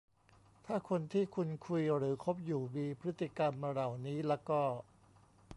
ถ้าคนที่คุณคุยหรือคบอยู่มีพฤติกรรมเหล่านี้ละก็